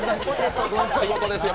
仕事ですよ